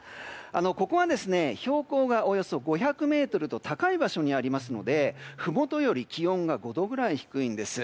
ここは標高がおよそ５００ｍと高い場所にありますのでふもとより気温が５度くらい低いんです。